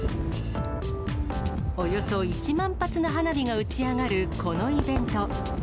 およそ１万発の花火が打ち上がるこのイベント。